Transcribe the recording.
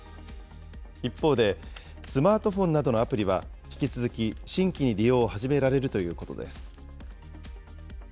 一方で、スマートフォンなどのアプリは、引き続き、新規に利用を始められるということです。